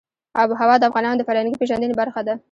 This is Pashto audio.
آب وهوا د افغانانو د فرهنګي پیژندنې برخه ده.